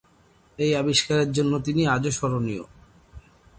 এই আবিষ্কারের জন্য তিনি আজও স্মরণীয়।